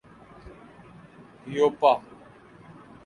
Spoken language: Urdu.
ہیوپا